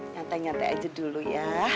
nyantai nyantai aja dulu ya